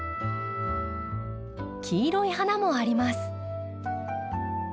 黄色い花もあります。